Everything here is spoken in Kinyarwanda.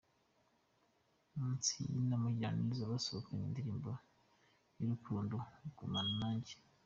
Munsi na mugiraneza basohoranye indirimbo y’urukundo “Gumana nanjye”